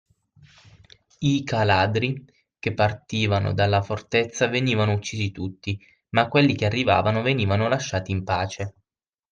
I caladri che partivano dalla fortezza venivano uccisi tutti, ma quelli che arrivavano venivano lasciati in pace.